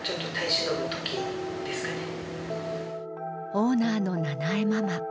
オーナーのななえママ。